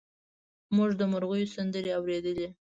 موږ د مرغیو سندرې اورېدلې.